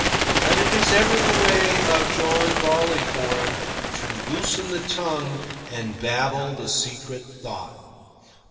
But it is ever the way of John Barleycorn to loosen the tongue and babble the secret thought.